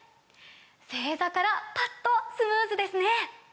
正座からパッとスムーズですね！